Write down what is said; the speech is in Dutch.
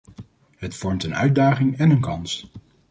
Het vormt een uitdaging en een kans.